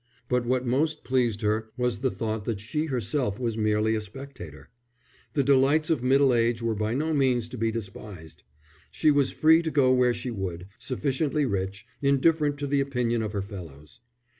But what most pleased her was the thought that she herself was merely a spectator. The delights of middle age were by no means to be despised; she was free to go where she would, sufficiently rich, indifferent to the opinion of her fellows.